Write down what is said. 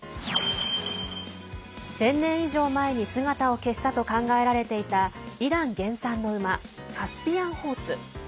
１０００年以上前に姿を消したと考えられていたイラン原産の馬カスピアンホース。